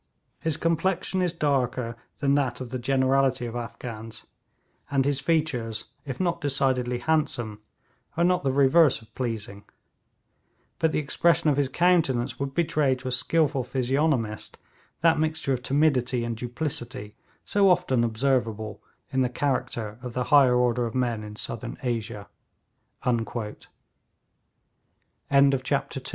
His complexion is darker than that of the generality of Afghans, and his features, if not decidedly handsome, are not the reverse of pleasing; but the expression of his countenance would betray to a skilful physiognomist that mixture of timidity and duplicity so often observable in the character of the higher order of men in Southern Asia.' CHAPTER III: THE FIRST YEAR OF OCCUP